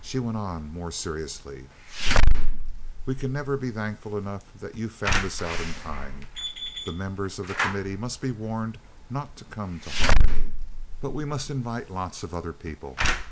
She went on more seriously: "We can never be thankful enough that you found this out in time. The members of the Committee must be warned not to come to Harmony, but we must invite lots of other people.